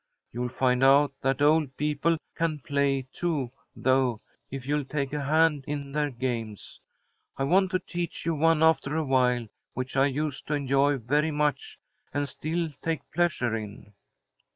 You'll find out that old people can play, too, though, if you'll take a hand in their games. I want to teach you one after awhile, which I used to enjoy very much, and still take pleasure in."